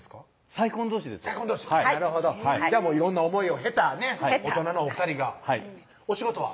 再婚どうしなるほどじゃあもう色んな思いを経た大人のお２人がお仕事は？